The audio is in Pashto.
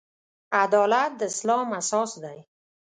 عدالت د اسلام اساس دی.